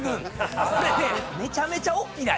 これねめちゃめちゃおっきな